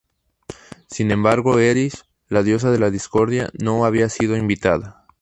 Sin embargo Eris, la diosa de la discordia, no había sido invitada.